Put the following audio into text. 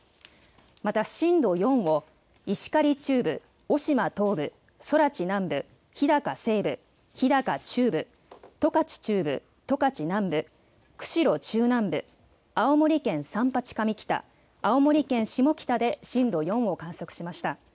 また震度４を石狩中部、渡島東部、空知南部、日高西部、日高中部、十勝中部、十勝南部、釧路中南部、青森県三八上北、青森県下北で震度４を観測しました。